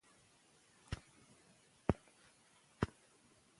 که د علم رڼا موجوده وي، نو ټولنه به بریالۍ وي.